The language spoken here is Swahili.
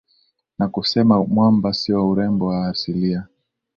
na kusema kwamba sio urembo wa asilia